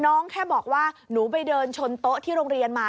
แค่บอกว่าหนูไปเดินชนโต๊ะที่โรงเรียนมา